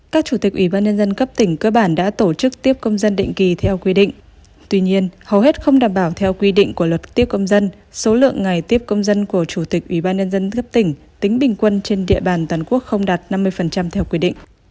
các chủ tịch ủy ban nhân dân cấp tỉnh cơ bản đã tổ chức tiếp công dân định kỳ theo quy định tuy nhiên hầu hết không đảm bảo theo quy định của luật tiếp công dân số lượng ngày tiếp công dân của chủ tịch ủy ban nhân dân cấp tỉnh tính bình quân trên địa bàn toàn quốc không đạt năm mươi theo quy định